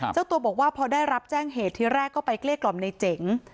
เจ้าตัวบอกว่าพอได้รับแจ้งเหตุที่แรกก็ไปเกลี้ยกล่อมในเจ๋ง